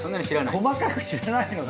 細かくは知らない。